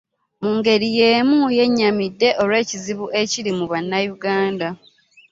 Mu ngeri y'emu yennyamidde olw'ekizibu ekiri mu Bannayuganda.